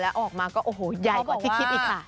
แล้วออกมาก็โอ้โหใหญ่กว่าที่คิดอีกค่ะ